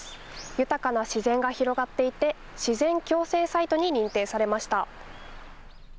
豊かな自然が広がっていて自然共生サイトに認定されました。